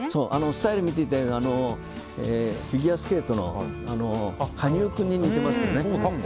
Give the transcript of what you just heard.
スタイルを見ていただくと分かりますがフィギュアスケートの羽生君に似てますよね。